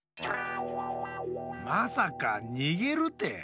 まさかにげるて！